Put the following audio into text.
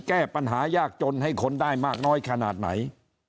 แก้ปัญหายากจนให้คนได้มากน้อยขนาดไหน